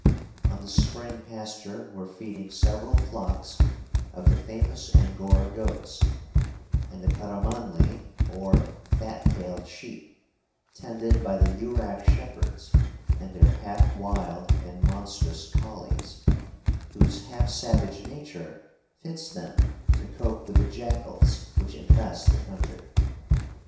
On the spring pasture were feeding several flocks of the famous Angora goats, and the karamanli or fat tailed sheep, tended by the Yurak shepherds and their half wild and monstrous collies, whose half savage nature fits them to cope with the jackals which infest the country.